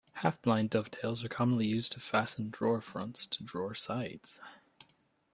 Half-blind dovetails are commonly used to fasten drawer fronts to drawer sides.